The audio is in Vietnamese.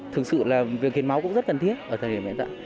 thực sự là việc hiến máu cũng rất cần thiết ở thời điểm hiện tại